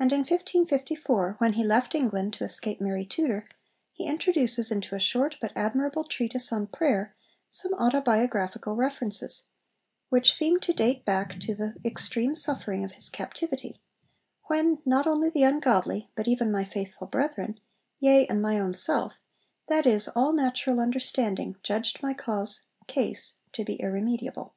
And in 1554, when he left England to escape Mary Tudor, he introduces into a short but admirable treatise on Prayer some autobiographical references, which seem to date back to the extreme suffering of his captivity, 'when not only the ungodly, but even my faithful brethren, yea, and my own self, that is, all natural understanding, judged my cause (case) to be irremediable.'